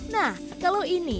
nah kalau ini